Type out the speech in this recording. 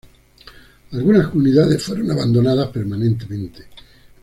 Algunas comunidades fueron abandonadas permanentemente.